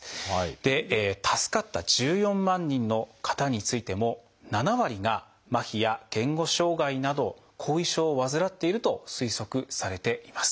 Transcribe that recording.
で助かった１４万人の方についても７割が「まひ」や「言語障害」など後遺症を患っていると推測されています。